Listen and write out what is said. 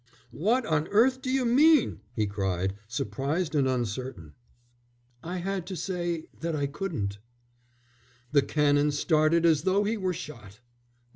"What on earth d'you mean?" he cried, surprised and uncertain. "I had to say that I couldn't." The Canon started as though he were shot.